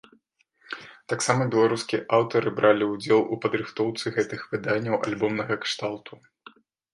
Таксама беларускія аўтары бралі ўдзел у падрыхтоўцы гэтых выданняў альбомнага кшталту.